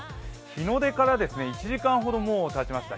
日の出から１時間ほど、もうたちました。